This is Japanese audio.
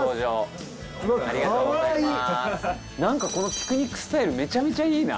このピクニックスタイルめちゃめちゃいいな。